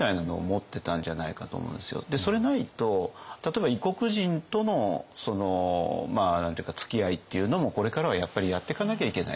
それないと例えば異国人とのつきあいっていうのもこれからはやっぱりやってかなきゃいけないと。